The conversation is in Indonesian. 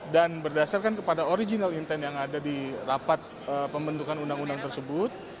dan berdasarkan kepada original intent yang ada di rapat pembentukan undang undang tersebut